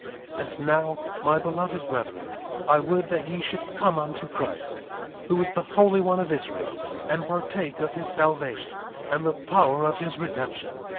1:26 And now, my beloved brethren, I would that ye should come unto Christ, who is the Holy One of Israel, and partake of his salvation, and the power of his redemption.